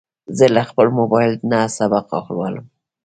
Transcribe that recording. زه له خپل موبایل نه سبق لولم.